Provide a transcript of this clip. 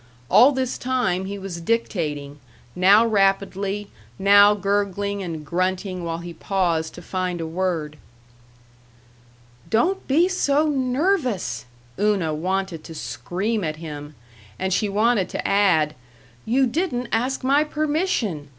All this time he was dictating, now rapidly, now gurgling and grunting while he paused to find a word. "Don't be so nervous!" Una wanted to scream at him, and she wanted to add, "You didn't ask my permission!"